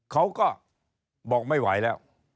เขาก็บอกไม่ไหวแล้ว